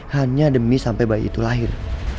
hanya demi sampai bayi itu lahir